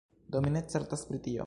Do mi ne certas pri tio.